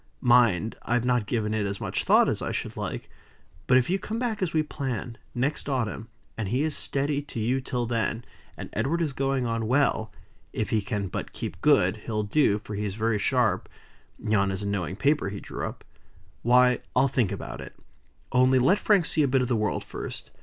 Mind! I've not given it as much thought as I should like. But if you come back as we plan, next autumn, and he is steady to you till then and Edward is going on well (if he can but keep good, he'll do, for he is very sharp yon is a knowing paper he drew up) why, I'll think about it. Only let Frank see a bit of the world first.